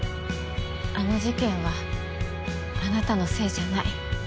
あの事件はあなたのせいじゃない。